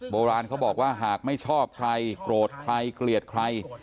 โบราณเขาบอกว่าหากไม่ชอบใครโกรธใครเกลียดใคร